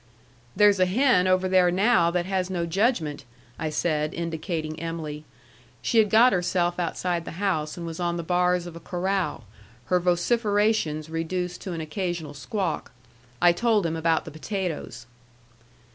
"There's a hen over there now that has no judgment," I said, indicating Em'ly. She had got herself outside the house, and was on the bars of a corral, her vociferations reduced to an occasional squawk. I told him about the potatoes.